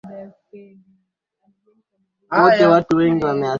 Na kujiunga na klabu ya Italia ya Napoli miaka miwili baadaye